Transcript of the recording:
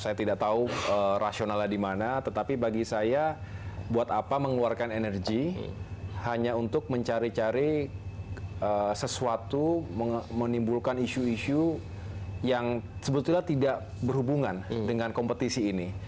saya tidak tahu rasionalnya di mana tetapi bagi saya buat apa mengeluarkan energi hanya untuk mencari cari sesuatu menimbulkan isu isu yang sebetulnya tidak berhubungan dengan kompetisi ini